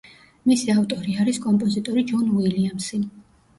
მისი ავტორი არის კომპოზიტორი ჯონ უილიამსი.